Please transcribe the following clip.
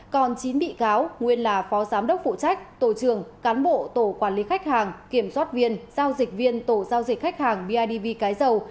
còn chín bị cáo nguyên là phó giám đốc phụ trách tổ trường cán bộ tổ quản lý khách hàng kiểm soát viên giao dịch viên tổ giao dịch khách hàng bidv cái dầu